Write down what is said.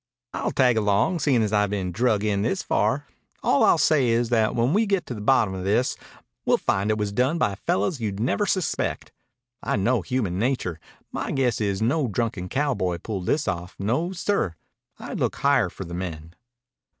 "I'll tag along, seein' as I've been drug in this far. All I'll say is that when we get to the bottom of this, we'll find it was done by fellows you'd never suspect. I know human nature. My guess is no drunken cowboy pulled this off. No, sir. I'd look higher for the men."